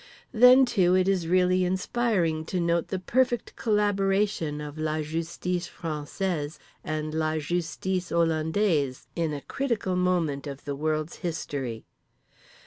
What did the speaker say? Then too it is really inspiring to note the perfect collaboration of la justice française and la justice hollandaise in a critical moment of the world's history.